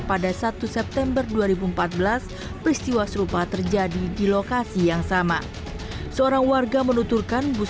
pada satu september dua ribu empat belas peristiwa serupa terjadi di lokasi yang sama seorang warga menuturkan bus